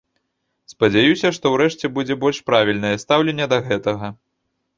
Спадзяюся, што ўрэшце будзе больш правільнае стаўленне да гэтага.